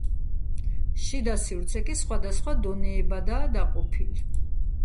შიდა სივრცე კი სხვადასხვა დონეებადაა დაყოფილი.